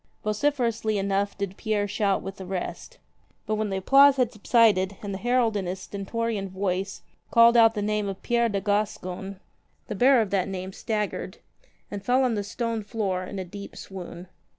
Vociferously enough did Pierre shout with the rest. But when the applause had subsided and the herald in his stentorian voice called out the name of Pierre de Gas con, the bearer of that name staggered and fell on the stone floor in a deep swoon.